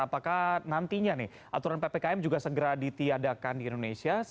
apakah nantinya nih aturan ppkm juga segera ditiadakan di indonesia